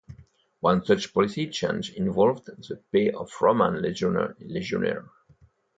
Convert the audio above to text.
One such policy change involved the pay of Roman legionnaires.